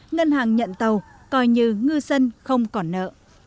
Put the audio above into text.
ngân hàng nhận tàu coi như ngư dân không còn nợ